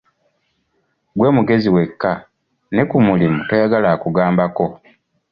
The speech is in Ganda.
Ggwe mugezi wekka, ne ku mulimu toyagala akugambako.